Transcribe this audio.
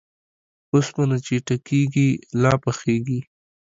اوسپنه چې ټکېږي ، لا پخېږي.